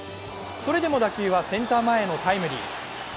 それでも打球はセンター前へのタイムリー。